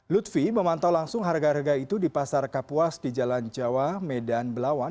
lutfi memantau langsung harga harga itu di pasar kapuas di jalan jawa medan belawan